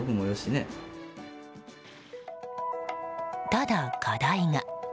ただ、課題が。